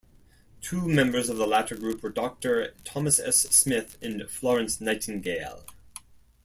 Two members of the latter group were Doctor Thomas S. Smith and Florence Nightingale.